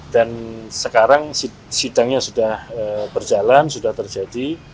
dan sekarang sidangnya sudah berjalan sudah terjadi